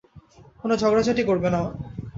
কোন ঝগড়াঝাটি করবে না।